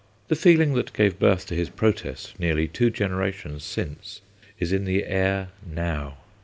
The feeling that gave birth to his protest nearly two generations since is in the air now.